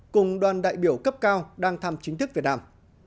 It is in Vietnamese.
cùng đoàn đại biểu cấp cao đang thăm chính thức việt nam